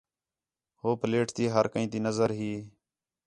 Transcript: ہو پلیٹ تی ہر کئیں تی نظر ہی